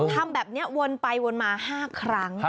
ทำแบบนี้วนไปวนมา๕ครั้ง